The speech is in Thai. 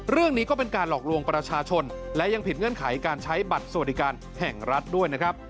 เรื่องนี้ก็เป็นการหลอกลวงประชาชนและยังผิดเงื่อนไขการใช้บัตรสวัสดิการแห่งรัฐด้วยนะครับ